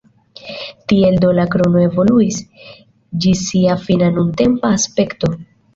Tiel do la krono evoluis ĝis sia fina nuntempa aspekto.